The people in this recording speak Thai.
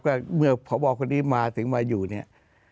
ก็เมื่อพบคนนี้มาถึงมาอยู่เนี่ย